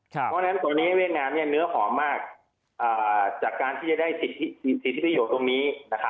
เพราะฉะนั้นตรงนี้เวียดนามเนื้อหอมมากจากการที่จะได้สิทธิประโยชน์ตรงนี้